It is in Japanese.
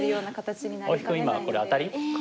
今これアタリ？